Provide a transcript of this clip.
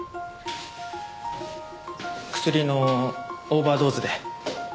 クスリのオーバードーズで。